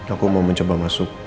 aku mau mencoba masuk